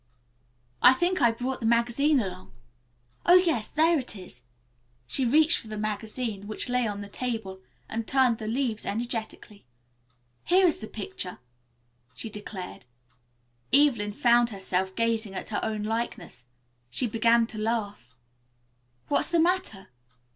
I think I brought the magazine along. Oh, yes, there it is." She reached for the magazine, which lay on the table, and turned the leaves energetically. "Here is the picture," she declared. Evelyn found herself gazing at her own likeness. She began to laugh. "What's the matter?"